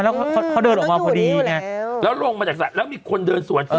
แล้วเขาเดินออกมาพอดีไงแล้วลงมาจากสระแล้วมีคนเดินสวนจริง